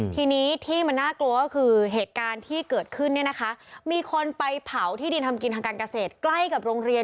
ทีนี้ที่มันน่ากลัวก็คือเหตุการณ์ที่เกิดขึ้นเนี่ยนะคะมีคนไปเผาที่ดินทำกินทางการเกษตรใกล้กับโรงเรียน